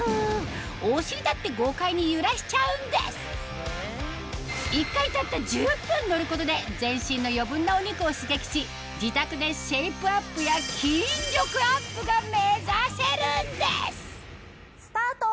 お尻だって豪快に揺らしちゃうんです１回たった１０分乗ることで全身の余分なお肉を刺激し自宅でシェイプアップや筋力アップが目指せるんですスタート！